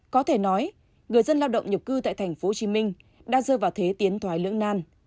có thể nói người dân lao động nhục cư tại thành phố hồ chí minh đã rơi vào thế tiến thoái lưỡng nan